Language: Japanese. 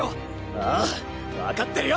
ああわかってるよ！